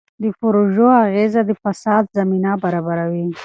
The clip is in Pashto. د پروژو اغېز د فساد زمینه برابروي.